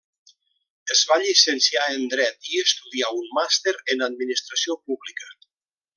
Es va llicenciar en dret i estudià un màster en Administració Pública.